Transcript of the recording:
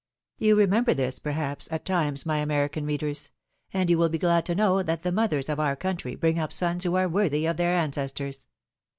You remember this, perhaps, at times, my American readers ; and you will be glad to know that the mothers of our country bring up sons who are worthy of their ancestors.